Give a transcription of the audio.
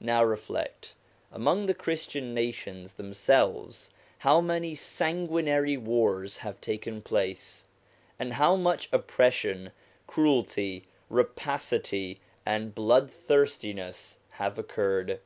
Now reflect : among the Christian nations themselves how many sanguinary wars have taken place, and how much oppression, cruelty, rapacity, and bloodthirstiness have occurred!